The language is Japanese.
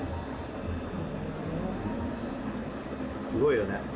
すごいよね。